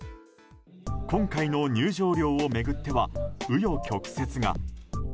今回の入場料を巡っては紆余曲折が。